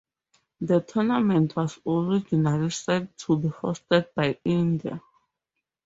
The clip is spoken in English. The tournament was originally set to be hosted by India.